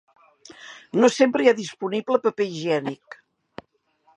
No sempre hi ha disponible paper higiènic.